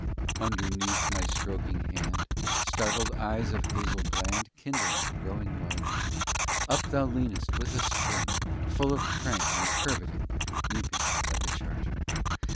IV Underneath my stroking hand. Startled eyes of hazel bland Kindling, growing larger, Up thou leanest with a spring, Full of prank and curvetting, Leaping like a charger.